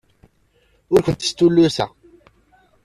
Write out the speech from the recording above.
Ur kent-stulluseɣ.